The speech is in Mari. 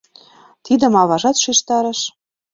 Тидым аважат шижтарыш.